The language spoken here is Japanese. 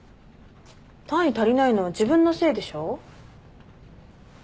単位足りないのは自分のせいでしょ。